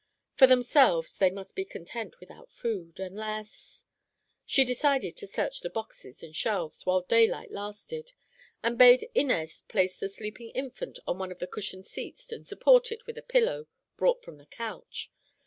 For themselves, they must be content without food, unless— She decided to search the boxes and shelves while daylight lasted, and bade Inez place the sleeping infant on one of the cushioned seats and support it with a pillow brought from the couch.